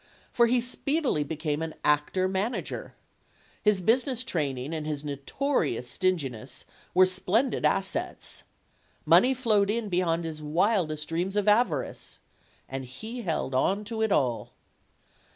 For he speedily became an actor manager. His business training and his notorious stinginess were splendid assets. Money flowed in, beyond his wildest dreams of avarice. And he held on to it all.